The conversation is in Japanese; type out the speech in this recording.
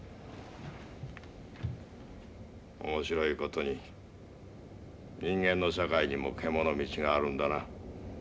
面白い事に人間の社会にもけものみちがあるんだな。